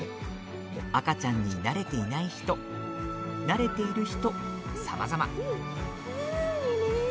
赤ちゃんに慣れていない人慣れている人、さまざま。